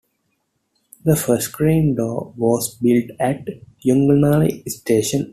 The first screen door was built at Yong'anli Station.